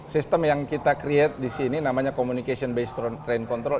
sistem yang kita create di sini namanya communication based train control